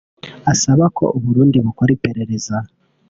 asaba ko u Burundi bukora iperereza